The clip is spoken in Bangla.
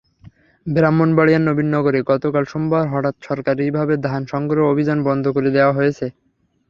ব্রাহ্মণবাড়িয়ার নবীনগরে গতকাল সোমবার হঠাৎ সরকারিভাবে ধান সংগ্রহ অভিযান বন্ধ করে দেওয়া হয়েছে।